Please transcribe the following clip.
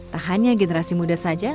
tak hanya generasi muda saja